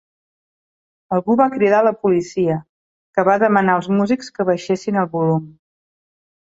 Algú va cridar a la policia, què va demanar els músics que baixessin el volum.